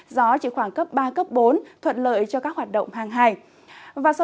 gió chỉ khoảng cấp ba bốn thuận lợi cho các hoạt động hàng hành